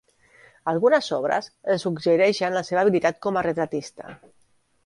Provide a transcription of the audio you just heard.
Algunes obres ens suggereixen la seva habilitat com a retratista.